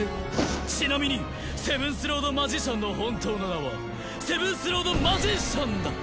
ちなみにセブンスロード・マジシャンの本当の名はセブンスロード・魔神シャンだ！